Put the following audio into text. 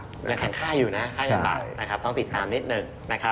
ยังแข็งค่าอยู่นะค่าเงินบาทต้องติดตามนิดหนึ่ง